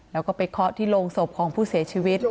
แล้วก็ไปเคาะที่โรงศพของผู้เสียชีวิต